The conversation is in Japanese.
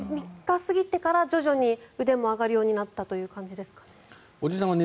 ３日過ぎてから徐々に腕も上がるようになったという感じでした。